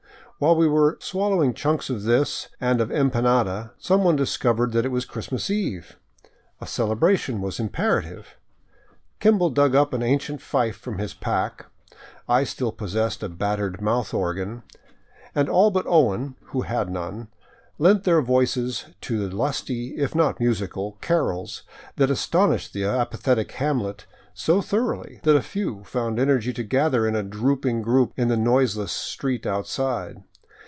While we were swallowing chunks of this and of empanada, some one discovered that it was Christmas Eve. A celebration was imperative. Kimball dug up an ancient fife from his pack, I still possessed a battered mouth organ, and all but Owen, who had none, lent their voices to the lusty, if not musical, carols that astonished the apathetic hamlet so thor oughly that a few found energy to gather in a drooping group in the noiseless street outside.